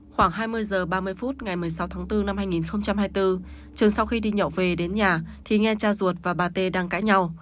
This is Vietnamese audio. khoảng hai mươi h ba mươi phút ngày một mươi sáu tháng bốn năm hai nghìn hai mươi bốn trường sau khi đi nhậu về đến nhà thì nghe cha ruột và bà tê đang cãi nhau